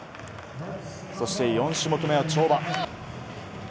そして４種目めは跳馬。